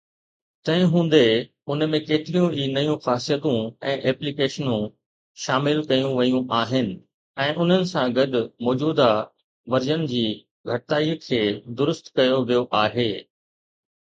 تنهن هوندي، ان ۾ ڪيتريون ئي نيون خاصيتون ۽ ايپليڪيشنون شامل ڪيون ويون آهن ۽ انهي سان گڏ موجوده ورزن جي گهٽتائي کي درست ڪيو ويو آهي.